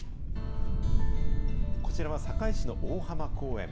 こちらは堺市の大浜公園。